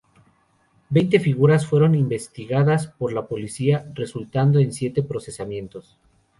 Veinte figuras fueron investigadas por la policía, resultando en siete procesamientos.